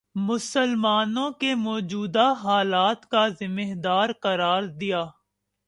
مسلمانوں کے موجودہ حالات کا ذمہ دار قرار دیا